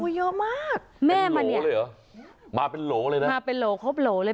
เยอะมากแม่มาเนี่ยมาเป็นโหลเลยนะมาเป็นโหลครบโหลเลย